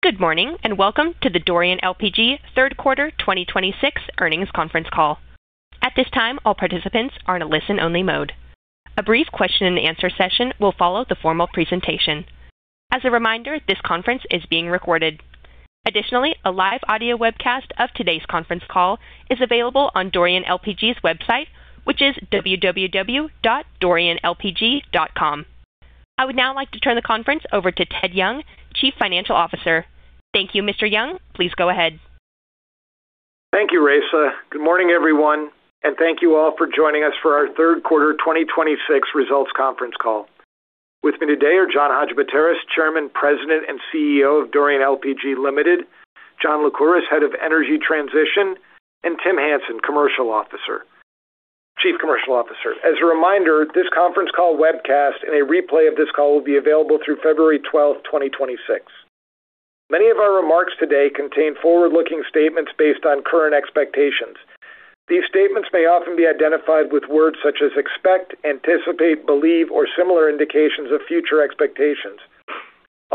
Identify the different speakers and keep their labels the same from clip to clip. Speaker 1: Good morning, and welcome to the Dorian LPG Q3 2026 Earnings Conference Call. At this time, all participants are in a listen-only mode. A brief question-and-answer session will follow the formal presentation. As a reminder, this conference is being recorded. Additionally, a live audio webcast of today's conference call is available on Dorian LPG's website, which is www.dorianlpg.com. I would now like to turn the conference over to Ted Young, Chief Financial Officer. Thank you, Mr. Young. Please go ahead.
Speaker 2: Thank you, Raisa. Good morning, everyone, and thank you all for joining us for our Q3 2026 results conference call. With me today are John Hadjipateras, Chairman, President, and CEO of Dorian LPG Limited, John Lycouris, Head of Energy Transition, and Tim Hansen, Chief Commercial Officer. As a reminder, this conference call webcast and a replay of this call will be available through February 12, 2026. Many of our remarks today contain forward-looking statements based on current expectations. These statements may often be identified with words such as expect, anticipate, believe, or similar indications of future expectations.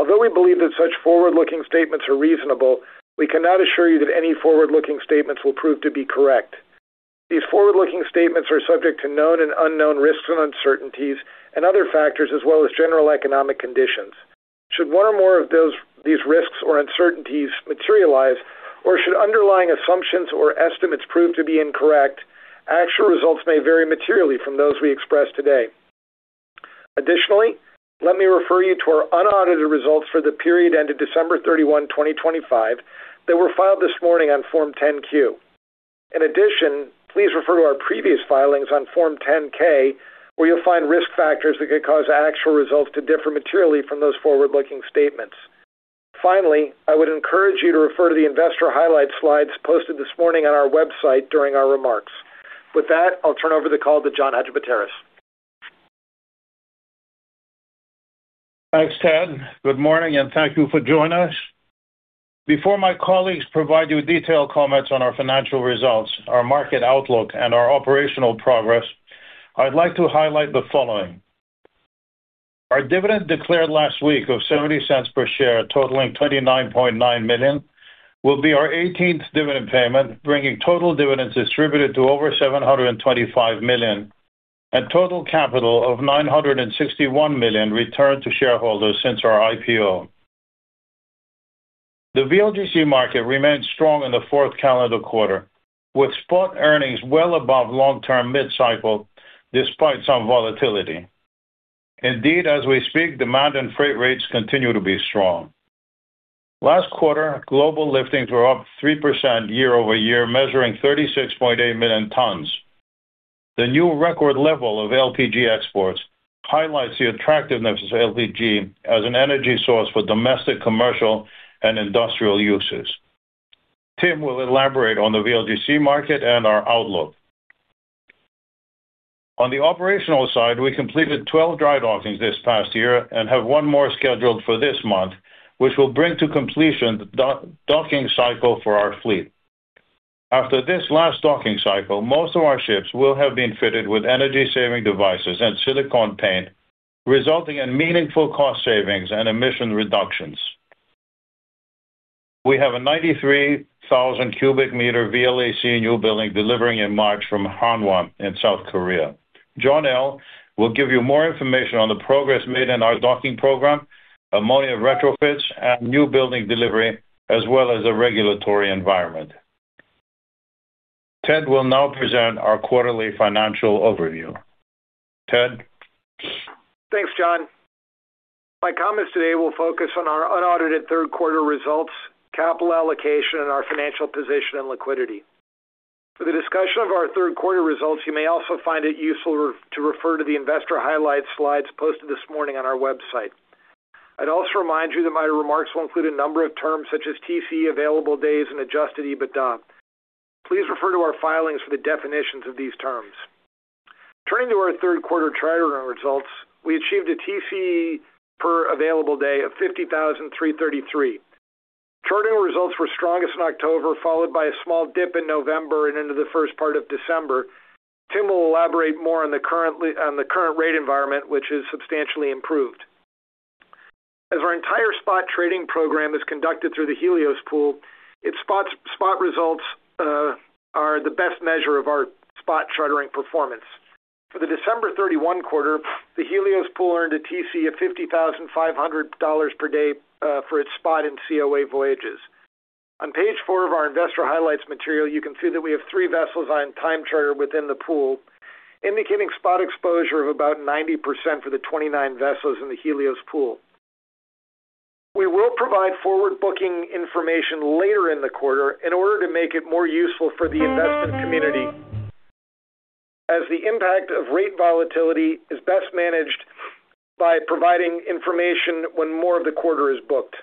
Speaker 2: Although we believe that such forward-looking statements are reasonable, we cannot assure you that any forward-looking statements will prove to be correct. These forward-looking statements are subject to known and unknown risks and uncertainties and other factors as well as general economic conditions. Should one or more of those, these risks or uncertainties materialize, or should underlying assumptions or estimates prove to be incorrect, actual results may vary materially from those we express today. Additionally, let me refer you to our unaudited results for the period ended December 31, 2025, that were filed this morning on Form 10-Q. In addition, please refer to our previous filings on Form 10-K, where you'll find risk factors that could cause actual results to differ materially from those forward-looking statements. Finally, I would encourage you to refer to the investor highlight slides posted this morning on our website during our remarks. With that, I'll turn over the call to John Hadjipateras.
Speaker 3: Thanks, Ted. Good morning, and thank you for joining us. Before my colleagues provide you detailed comments on our financial results, our market outlook, and our operational progress, I'd like to highlight the following. Our dividend declared last week of $0.70 per share, totaling $29.9 million, will be our eighteenth dividend payment, bringing total dividends distributed to over $725 million, and total capital of $961 million returned to shareholders since our IPO. The VLGC market remained strong in the fourth calendar quarter, with spot earnings well above long-term mid-cycle, despite some volatility. Indeed, as we speak, demand and freight rates continue to be strong. Last quarter, global liftings were up 3% year-over-year, measuring 36.8 million tons. The new record level of LPG exports highlights the attractiveness of LPG as an energy source for domestic, commercial, and industrial uses. Tim will elaborate on the VLGC market and our outlook. On the operational side, we completed 12 dry dockings this past year and have one more scheduled for this month, which will bring to completion the dry-docking cycle for our fleet. After this last docking cycle, most of our ships will have been fitted with energy-saving devices and silicone paint, resulting in meaningful cost savings and emission reductions. We have a 93,000 cubic meter VLEC new building delivering in March from Hanwha in South Korea. John L. will give you more information on the progress made in our docking program, ammonia retrofits, and new building delivery, as well as the regulatory environment. Ted will now present our quarterly financial overview. Ted?
Speaker 2: Thanks, John. My comments today will focus on our unaudited Q3 results, capital allocation, and our financial position and liquidity. For the discussion of our Q3 results, you may also find it useful to refer to the investor highlight slides posted this morning on our website. I'd also remind you that my remarks will include a number of terms such as TCE, available days, and adjusted EBITDA. Please refer to our filings for the definitions of these terms. Turning to our Q3 chartering results, we achieved a TCE per available day of $50,333. Chartering results were strongest in October, followed by a small dip in November and into the first part of December. Tim will elaborate more on the current rate environment, which is substantially improved. As our entire spot trading program is conducted through the Helios Pool, its spot results are the best measure of our spot chartering performance. For the December 31 quarter, the Helios Pool earned a TCE of $50,500 per day for its spot and COA voyages. On page four of our investor highlights material, you can see that we have three vessels on time charter within the pool, indicating spot exposure of about 90% for the 29 vessels in the Helios Pool. We will provide forward-booking information later in the quarter in order to make it more useful for the investment community, as the impact of rate volatility is best managed by providing information when more of the quarter is booked.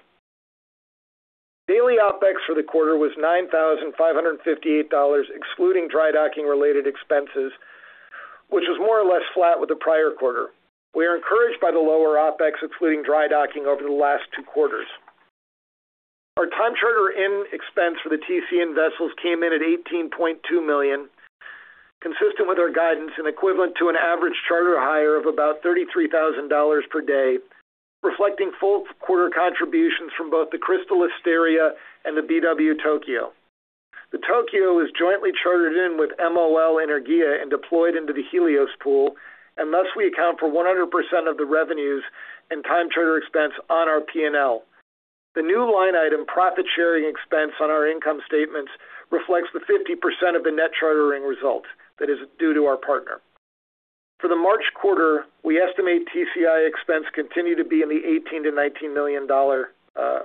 Speaker 2: Daily OpEx for the quarter was $9,558, excluding dry docking-related expenses, which was more or less flat with the prior quarter. We are encouraged by the lower OpEx, excluding dry docking over the last two quarters. Our time charter in expense for the TCN vessels came in at $18.2 million, consistent with our guidance and equivalent to an average charter hire of about $33,000 per day, reflecting full quarter contributions from both the Crystal Asteria and the BW Tokyo. The Tokyo is jointly chartered in with MOL Energia and deployed into the Helios Pool, and thus we account for 100% of the revenues and time charter expense on our P&L. The new line item, profit sharing expense on our income statements, reflects the 50% of the net chartering results that is due to our partner. For the March quarter, we estimate TCI expense continue to be in the $18 to $19 million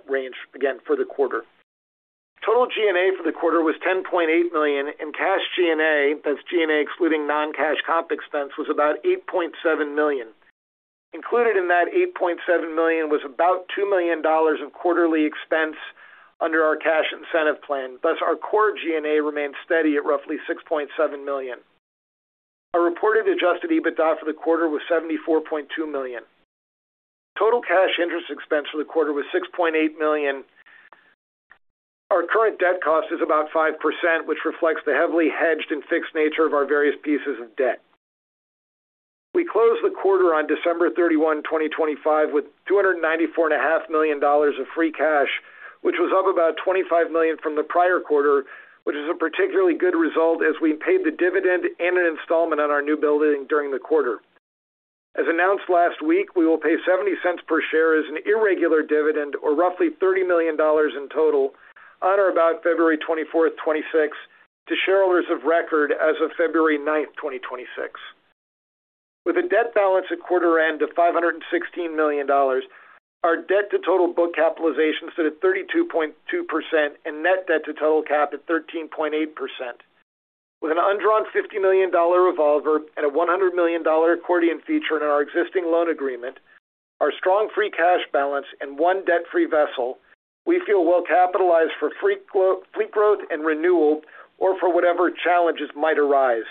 Speaker 2: range again for the quarter. Total G&A for the quarter was $10.8 million, and cash G&A, that's G&A excluding non-cash comp expense, was about $8.7 million. Included in that $8.7 million was about $2 million of quarterly expense under our cash incentive plan. Thus, our core G&A remains steady at roughly $6.7 million. Our reported adjusted EBITDA for the quarter was $74.2 million. Total cash interest expense for the quarter was $6.8 million. Our current debt cost is about 5%, which reflects the heavily hedged and fixed nature of our various pieces of debt. We closed the quarter on December 31, 2025, with $294.5 million of free cash, which was up about $25 million from the prior quarter, which is a particularly good result as we paid the dividend and an installment on our new building during the quarter. As announced last week, we will pay $0.70 per share as an irregular dividend, or roughly $30 million in total, on or about February 24, 2026, to shareholders of record as of February 9, 2026. With a debt balance at quarter end of $516 million, our debt to total book capitalization stood at 32.2% and net debt to total cap at 13.8%. With an undrawn $50 million revolver and a $100 million accordion feature in our existing loan agreement, our strong free cash balance and one debt-free vessel, we feel well capitalized for fleet growth and renewal, or for whatever challenges might arise.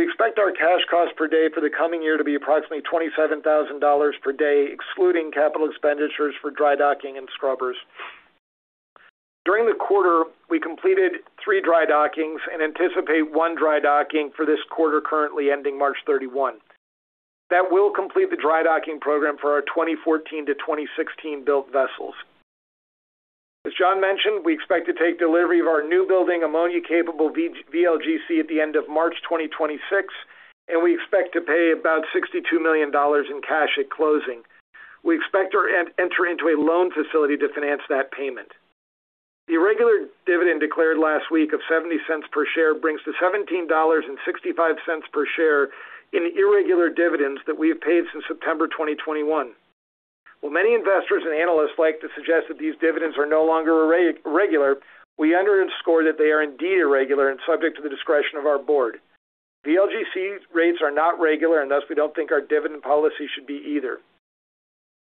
Speaker 2: We expect our cash cost per day for the coming year to be approximately $27,000 per day, excluding capital expenditures for dry docking and scrubbers. During the quarter, we completed three dry dockings and anticipate one dry docking for this quarter, currently ending March 31. That will complete the dry docking program for our 2014-2016-built vessels. As John mentioned, we expect to take delivery of our newbuilding, ammonia-capable VLGC, at the end of March 2026, and we expect to pay about $62 million in cash at closing. We expect to enter into a loan facility to finance that payment. The irregular dividend declared last week of $0.70 per share brings to $17.65 per share in irregular dividends that we have paid since September 2021. While many investors and analysts like to suggest that these dividends are no longer irregular, we underscore that they are indeed irregular and subject to the discretion of our board. VLGC rates are not regular, and thus we don't think our dividend policy should be either.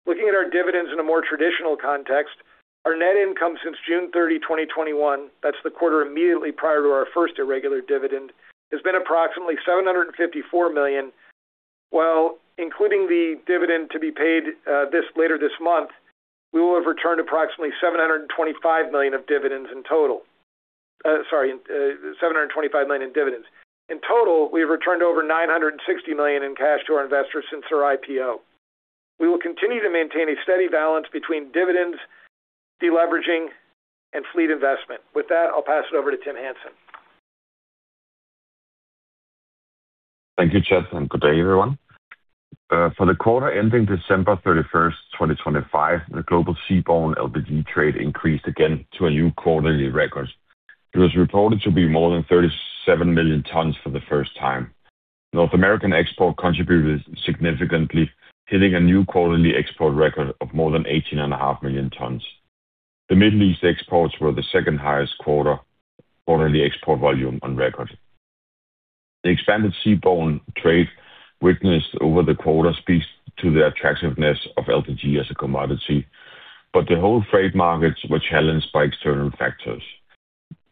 Speaker 2: Looking at our dividends in a more traditional context, our net income since June 30, 2021, that's the quarter immediately prior to our first irregular dividend, has been approximately $754 million, while including the dividend to be paid later this month, we will have returned approximately $725 million of dividends in total. $725 million in dividends. In total, we've returned over $960 million in cash to our investors since our IPO. We will continue to maintain a steady balance between dividends, deleveraging, and fleet investment. With that, I'll pass it over to Tim Hansen.
Speaker 4: Thank you, Ted, and good day, everyone. For the quarter ending December 31, 2025, the global seaborne LPG trade increased again to a new quarterly record. It was reported to be more than 37 million tons for the first time. North America export contributed significantly, hitting a new quarterly export record of more than 18.5 million tons. The Middle East exports were the second highest quarterly export volume on record. The expanded seaborne trade witnessed over the quarter speaks to the attractiveness of LPG as a commodity, but the whole freight markets were challenged by external factors.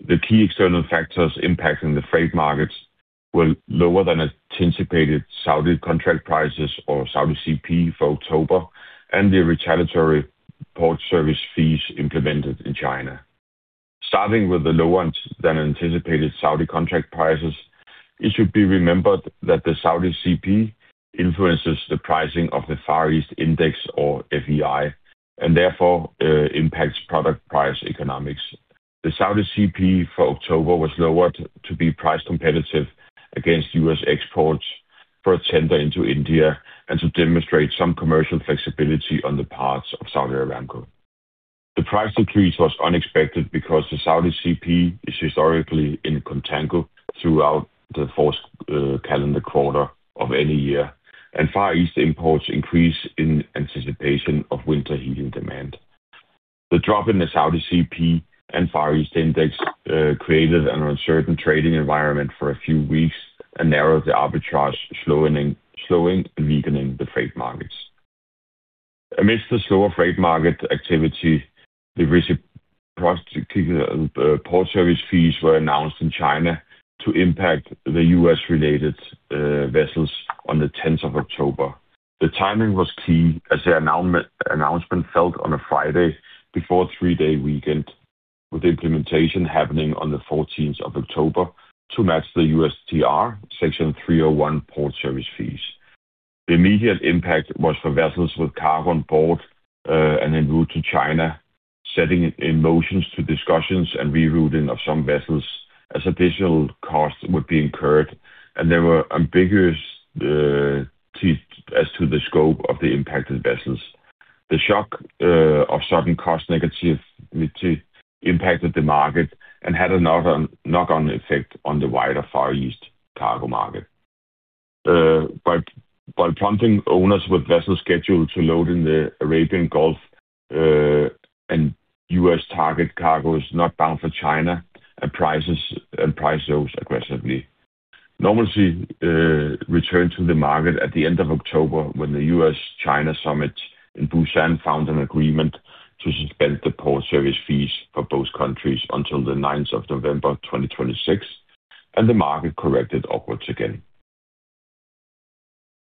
Speaker 4: The key external factors impacting the freight markets were lower than anticipated Saudi Contract Price or Saudi CP for October, and the retaliatory port service fees implemented in China. Starting with the lower than anticipated Saudi contract prices, it should be remembered that the Saudi CP influences the pricing of the Far East Index, or FEI, and therefore, impacts product price economics. The Saudi CP for October was lowered to be price competitive against U.S. exports for a tender into India and to demonstrate some commercial flexibility on the parts of Saudi Aramco. The price decrease was unexpected because the Saudi CP is historically in contango throughout the fourth, calendar quarter of any year, and Far East imports increase in anticipation of winter heating demand. The drop in the Saudi CP and Far East Index created an uncertain trading environment for a few weeks and narrowed the arbitrage, slowing and weakening the freight markets. Amidst the slower freight market activity, the recent cross port service fees were announced in China to impact the U.S.-related vessels on the 10th of October. The timing was key as the announcement fell on a Friday before a three-day weekend, with implementation happening on the 14th of October to match the USTR Section 301 port service fees. The immediate impact was for vessels with cargo on board and en route to China, setting in motion discussions and rerouting of some vessels as additional costs would be incurred, and there were ambiguous teeth as to the scope of the impacted vessels. The shock of sudden cost negativity impacted the market and had another knock-on effect on the wider Far East cargo market. But prompting owners with vessel scheduled to load in the Arabian Gulf, and U.S. target cargo is not bound for China, and prices, and price those aggressively. Normally, return to the market at the end of October, when the U.S.-China summit in Busan found an agreement to suspend the port service fees for both countries until the ninth of November, 2026, and the market corrected upwards again.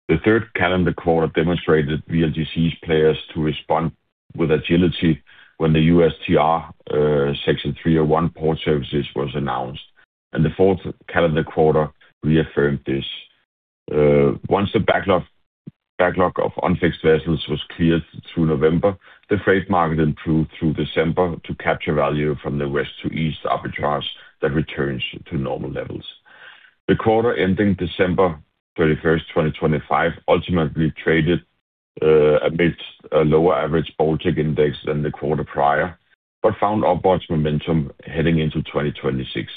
Speaker 4: The third calendar quarter demonstrated VLGCs players to respond with agility when the USTR Section 301 port services was announced, and the fourth calendar quarter reaffirmed this. Once the backlog of unfixed vessels was cleared through November, the freight market improved through December to capture value from the west to east arbitrage that returns to normal levels. The quarter ending December 31, 2025, ultimately traded amidst a lower average Baltic Index than the quarter prior, but found upward momentum heading into 2026.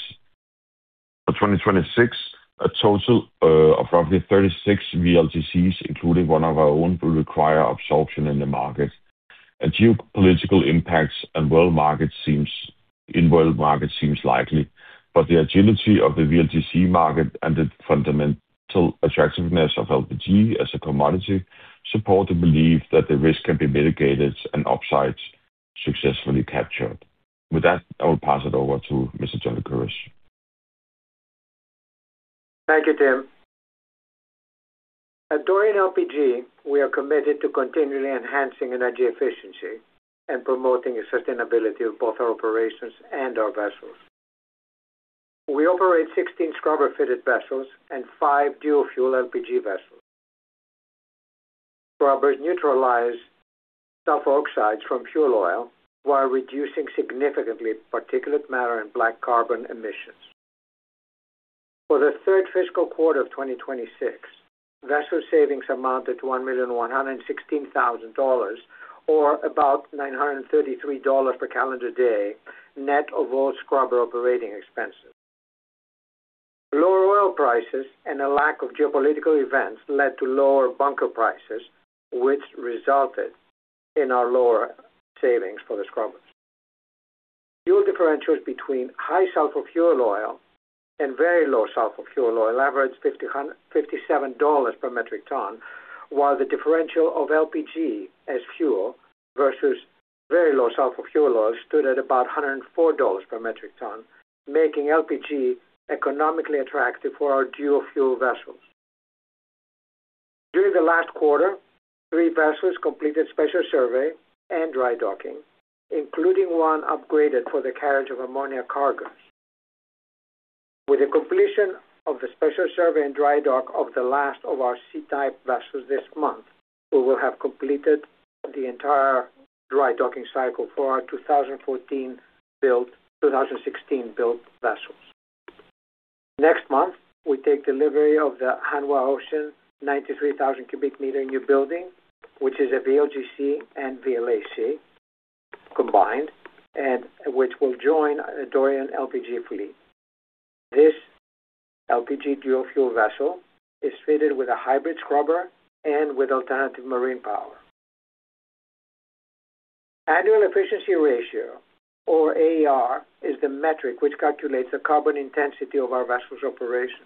Speaker 4: For 2026, a total of roughly 36 VLGCs, including one of our own, will require absorption in the market. Geopolitical impacts on the world market seem likely, but the agility of the VLGC market and the fundamental attractiveness of LPG as a commodity support the belief that the risk can be mitigated and upsides successfully captured. With that, I will pass it over to Mr. John Lycouris.
Speaker 5: Thank you, Tim. At Dorian LPG, we are committed to continually enhancing energy efficiency and promoting the sustainability of both our operations and our vessels. We operate 16 scrubber-fitted vessels and 5 dual-fuel LPG vessels. Scrubbers neutralize sulfur oxides from fuel oil while reducing significantly particulate matter and black carbon emissions. For the third fiscal quarter of 2026, vessel savings amounted to $1,116,000, or about $933 per calendar day, net of all scrubber operating expenses. Lower oil prices and a lack of geopolitical events led to lower bunker prices, which resulted in our lower savings for the scrubbers. Fuel differentials between high sulfur fuel oil and very low sulfur fuel oil averaged $57 per metric ton, while the differential of LPG as fuel versus very low sulfur fuel oil stood at about $104 per metric ton, making LPG economically attractive for our dual fuel vessels. During the last quarter, three vessels completed special survey and dry docking, including one upgraded for the carriage of ammonia cargo. With the completion of the special survey and dry dock of the last of our C-type vessels this month, we will have completed the entire dry docking cycle for our 2014 built, 2016 built vessels. Next month, we take delivery of the Hanwha Ocean, 93,000 cubic meter new building, which is a VLGC and VLAC combined, and which will join Dorian LPG fleet. This LPG dual fuel vessel is fitted with a hybrid scrubber and with alternative marine power. Annual efficiency ratio, or AER, is the metric which calculates the carbon intensity of our vessels operations.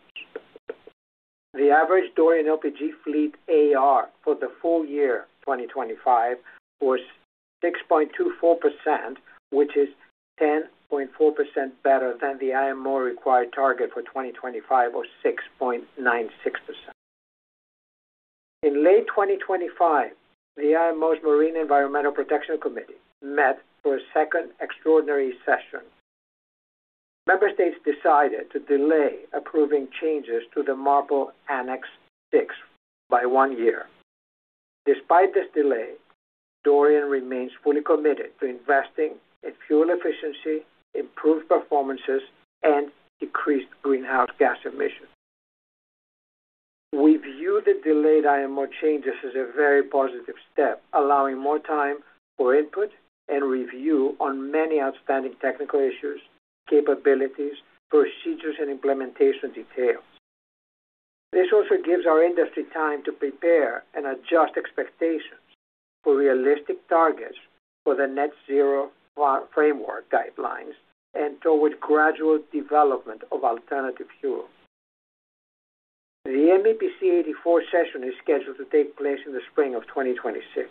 Speaker 5: The average Dorian LPG fleet AER for the full year, 2025, was 6.24%, which is 10.4% better than the IMO required target for 2025, or 6.96%. In late 2025, the IMO's Marine Environment Protection Committee met for a second extraordinary session. Member states decided to delay approving changes to the MARPOL Annex VI by one year. Despite this delay, Dorian remains fully committed to investing in fuel efficiency, improved performances, and decreased greenhouse gas emissions. We view the delayed IMO changes as a very positive step, allowing more time for input and review on many outstanding technical issues, capabilities, procedures, and implementation details. This also gives our industry time to prepare and adjust expectations for realistic targets for the Net Zero Framework guidelines, and toward gradual development of alternative fuel. The MEPC 84 session is scheduled to take place in the spring of 2026.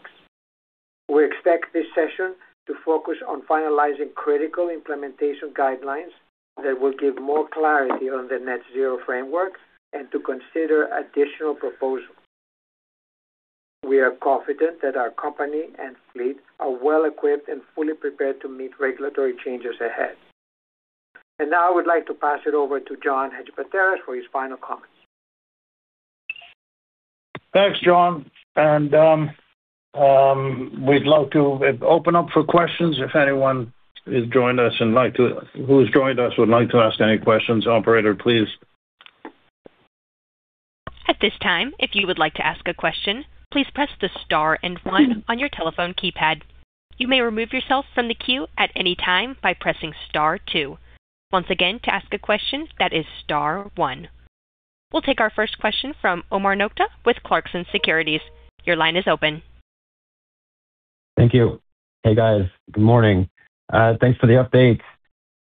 Speaker 5: We expect this session to focus on finalizing critical implementation guidelines that will give more clarity on the Net Zero Framework and to consider additional proposals. We are confident that our company and fleet are well-equipped and fully prepared to meet regulatory changes ahead. And now I would like to pass it over to John Hadjipateras for his final comments.
Speaker 3: Thanks, John, and we'd love to open up for questions if anyone has joined us and like to—who's joined us would like to ask any questions. Operator, please.
Speaker 1: At this time, if you would like to ask a question, please press the star and one on your telephone keypad. You may remove yourself from the queue at any time by pressing star two. Once again, to ask a question, that is star one. We'll take our first question from Omar Nokta with Clarkson Securities. Your line is open.
Speaker 6: Thank you. Hey, guys. Good morning. Thanks for the update.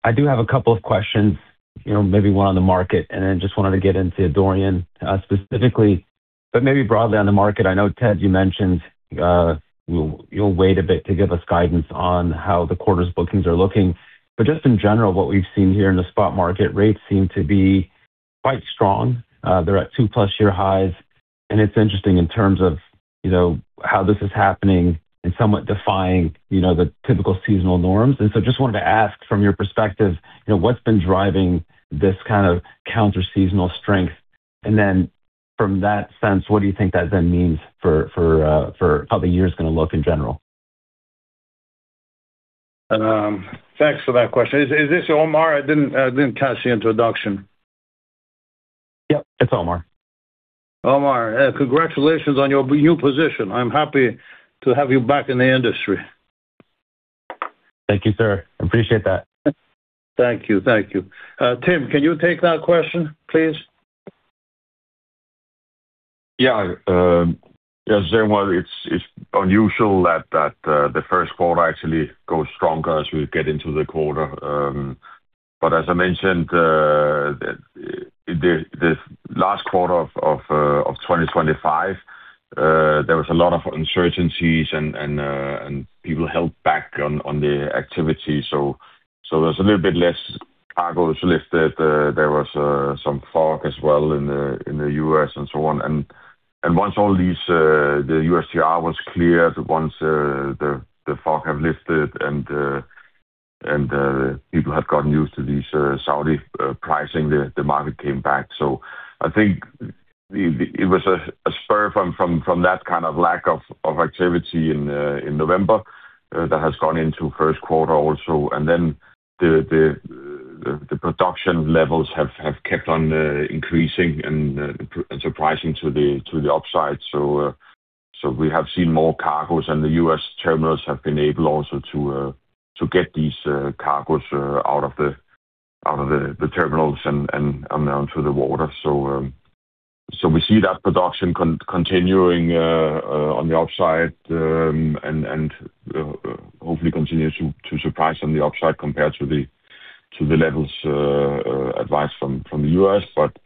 Speaker 6: I do have a couple of questions, you know, maybe one on the market and then just wanted to get into Dorian, specifically, but maybe broadly on the market. I know, Ted, you mentioned you'll wait a bit to give us guidance on how the quarter's bookings are looking. But just in general, what we've seen here in the spot market, rates seem to be quite strong. They're at 2+ year highs, and it's interesting in terms of, you know, how this is happening and somewhat defying, you know, the typical seasonal norms. And so I just wanted to ask, from your perspective, you know, what's been driving this kind of counterseasonal strength? From that sense, what do you think that then means for how the year is gonna look in general?
Speaker 3: Thanks for that question. Is this Omar? I didn't catch the introduction.
Speaker 6: Yep, it's Omar.
Speaker 3: Omar, congratulations on your new position. I'm happy to have you back in the industry.
Speaker 6: Thank you, sir. I appreciate that.
Speaker 3: Thank you. Thank you. Tim, can you take that question, please?
Speaker 4: Yeah, as well, it's unusual that the Q1 actually goes stronger as we get into the quarter. But as I mentioned, the last quarter of 2025, there was a lot of uncertainties and people held back on the activity. So there's a little bit less cargoes lifted. There was some fog as well in the U.S. and so on. And once all these, the USG was cleared, once the fog have lifted and people had gotten used to these Saudi pricing, the market came back. So I think it was a spillover from that kind of lack of activity in November that has gone into Q1 also. The production levels have kept on increasing and surprising to the upside. So we have seen more cargoes, and the U.S. terminals have been able also to get these cargoes out of the terminals and onto the water. So we see that production continuing on the upside, and hopefully continue to surprise on the upside compared to the levels advised from the U.S. But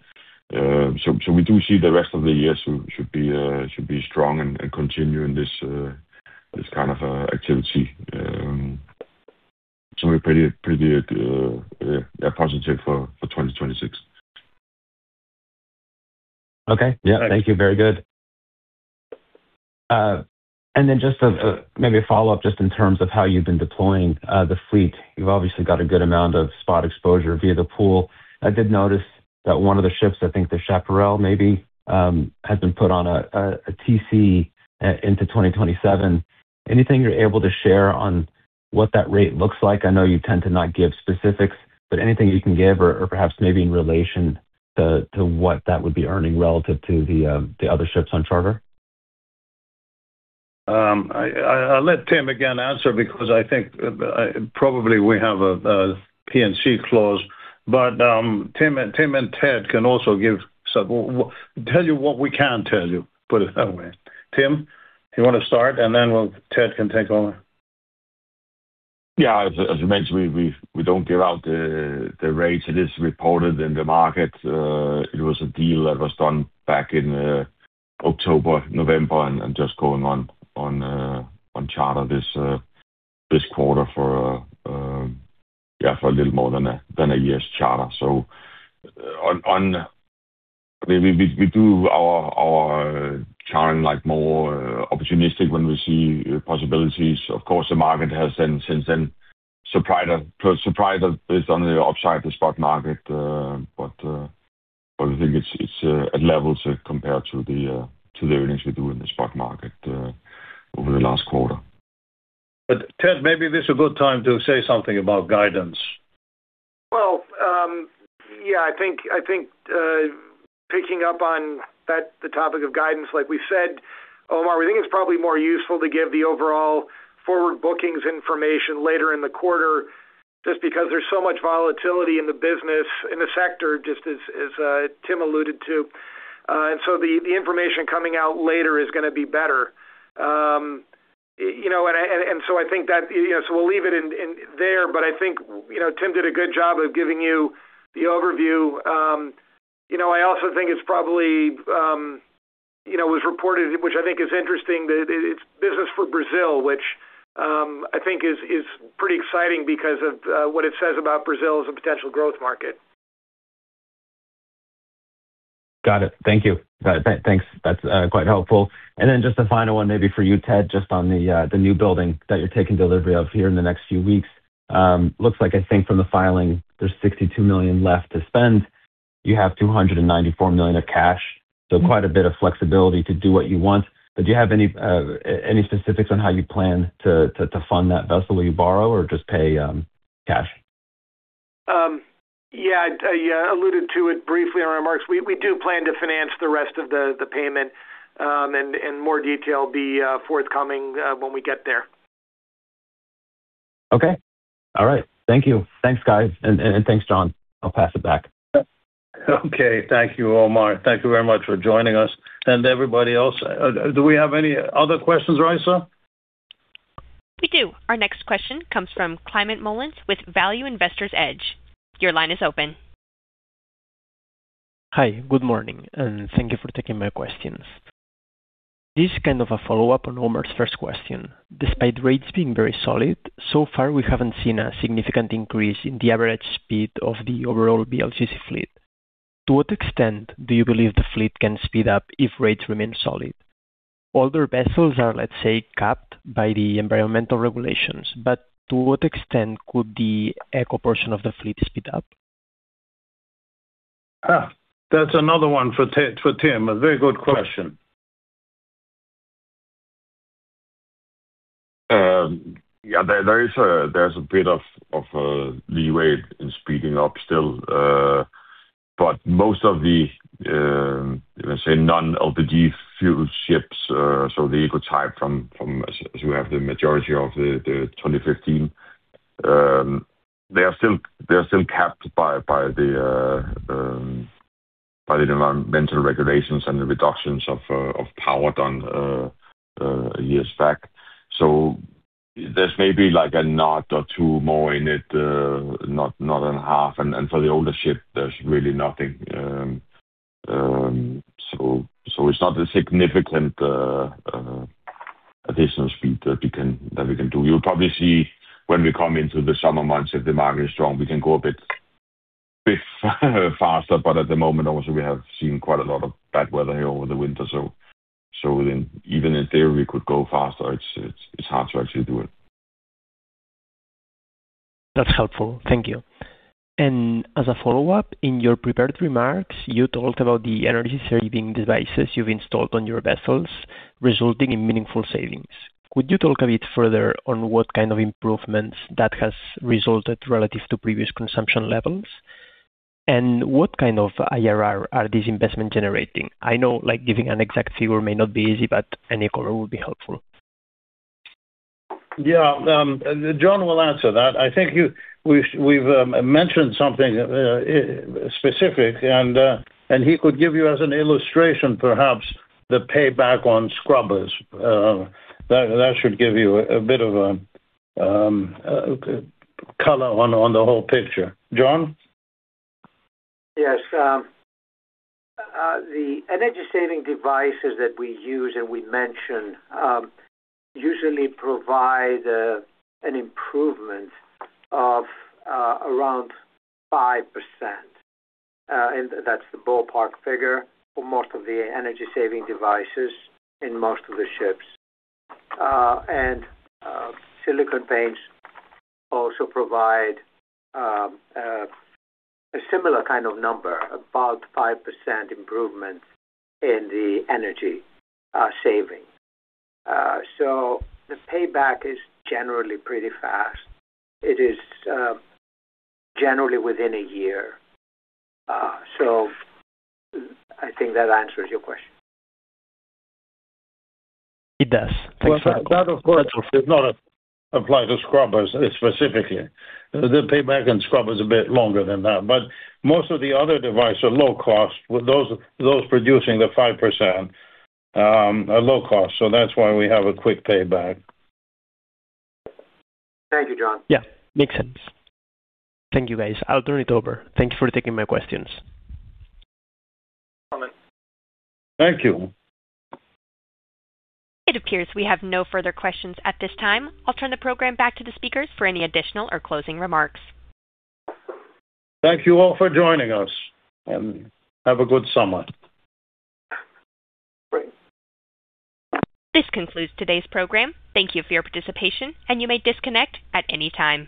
Speaker 4: so we do see the rest of the year should be strong and continue in this kind of activity. So we're pretty positive for 2026.
Speaker 6: Okay. Yeah. Thank you. Very good. And then just maybe a follow-up just in terms of how you've been deploying the fleet. You've obviously got a good amount of spot exposure via the pool. I did notice that one of the ships, I think the Chaparral maybe, has been put on a TC into 2027. Anything you're able to share on what that rate looks like? I know you tend to not give specifics, but anything you can give, or perhaps maybe in relation to what that would be earning relative to the other ships on charter?
Speaker 3: I'll let Tim again answer because I think probably we have a P&C clause. But Tim and Ted can also give some. Tell you what we can tell you, put it that way. Tim, you want to start, and then we'll, Ted can take over.
Speaker 4: Yeah, as you mentioned, we don't give out the rates. It is reported in the market. It was a deal that was done back in October, November, and just going on charter this quarter for, yeah, for a little more than a year's charter. So, we do our chartering like more opportunistic when we see possibilities. Of course, the market has since then surprised us based on the upside, the spot market, but I think it's at levels compared to the earnings we do in the spot market over the last quarter.
Speaker 3: Ted, maybe this is a good time to say something about guidance.
Speaker 2: Well, yeah, I think, I think, picking up on that, the topic of guidance, like we said, Omar, we think it's probably more useful to give the overall forward bookings information later in the quarter, just because there's so much volatility in the business, in the sector, just as, as, Tim alluded to. And so the, the information coming out later is gonna be better. You know, and so I think that, you know, so we'll leave it in, in there, but I think, you know, Tim did a good job of giving you the overview. You know, I also think it's probably, you know, was reported, which I think is interesting, that it, it's business for Brazil, which, I think is, is pretty exciting because of, what it says about Brazil as a potential growth market.
Speaker 6: Got it. Thank you. Got it. Thanks. That's quite helpful. And then just a final one, maybe for you, Ted, just on the new building that you're taking delivery of here in the next few weeks. Looks like I think from the filing, there's $62 million left to spend. You have $294 million of cash, so quite a bit of flexibility to do what you want. But do you have any specifics on how you plan to fund that vessel? Will you borrow or just pay cash?
Speaker 2: Yeah, I alluded to it briefly in our remarks. We do plan to finance the rest of the payment, and more detail be forthcoming when we get there.
Speaker 6: Okay. All right. Thank you. Thanks, guys. And thanks, John. I'll pass it back.
Speaker 3: Okay. Thank you, Omar. Thank you very much for joining us and everybody else. Do we have any other questions, Raisa?
Speaker 1: We do. Our next question comes from Climent Molins with Value Investor's Edge. Your line is open.
Speaker 7: Hi, good morning, and thank you for taking my questions. This is kind of a follow-up on Omar's first question. Despite rates being very solid, so far we haven't seen a significant increase in the average speed of the overall VLGC fleet. To what extent do you believe the fleet can speed up if rates remain solid? Older vessels are, let's say, capped by the environmental regulations, but to what extent could the eco portion of the fleet speed up?
Speaker 3: Ah, that's another one for Ted, for Tim. A very good question.
Speaker 4: Yeah, there is a bit of leeway in speeding up still, but most of the, let's say, non-LPG fuel ships, so the eco type from, as we have the majority of the 2015, they are still capped by the environmental regulations and the reductions of power done years back. So there's maybe like a knot or two more in it, not a half, and for the older ship, there's really nothing. So it's not a significant additional speed that we can do. You'll probably see when we come into the summer months, if the market is strong, we can go a bit faster, but at the moment, also, we have seen quite a lot of bad weather here over the winter. So then even in theory, we could go faster. It's hard to actually do it.
Speaker 7: That's helpful. Thank you. As a follow-up, in your prepared remarks, you talked about the energy-saving devices you've installed on your vessels, resulting in meaningful savings. Could you talk a bit further on what kind of improvements that has resulted relative to previous consumption levels? And what kind of IRR are these investment generating? I know, like, giving an exact figure may not be easy, but any color would be helpful.
Speaker 3: Yeah, John will answer that. I think we've mentioned something specific, and he could give you as an illustration, perhaps the payback on scrubbers. That should give you a bit of a color on the whole picture. John?
Speaker 5: Yes, the energy-saving devices that we use and we mention usually provide an improvement of around 5%. And that's the ballpark figure for most of the energy-saving devices in most of the ships. And silicon paints also provide a similar kind of number, about 5% improvement in the energy saving. So the payback is generally pretty fast. It is generally within a year. So I think that answers your question.
Speaker 7: It does. Thanks so much.
Speaker 3: That, of course, does not apply to scrubbers specifically. The payback on scrubber is a bit longer than that, but most of the other devices are low cost. Those producing the 5% are low cost, so that's why we have a quick payback.
Speaker 5: Thank you, John.
Speaker 7: Yeah, makes sense. Thank you, guys. I'll turn it over. Thank you for taking my questions.
Speaker 3: Thank you.
Speaker 1: It appears we have no further questions at this time. I'll turn the program back to the speakers for any additional or closing remarks.
Speaker 3: Thank you all for joining us, and have a good summer.
Speaker 5: Great.
Speaker 1: This concludes today's program. Thank you for your participation, and you may disconnect at any time.